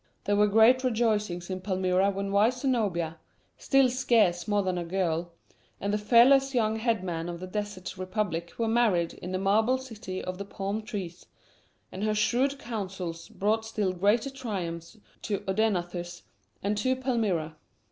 There were great rejoicings in Palmyra when the wise Zenobia still scarce more than a girl and the fearless young "head man" of the desert republic were married in the marble city of the palm trees, and her shrewd counsels brought still greater triumphs to Odaenathus and to Palmyra.